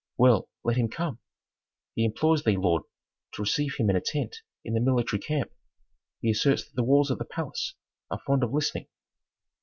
"Well, let him come." "He implores thee, lord, to receive him in a tent in the military camp; he asserts that the walls of the palace are fond of listening."